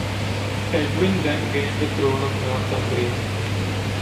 Edwin then gained the throne of Northumbria.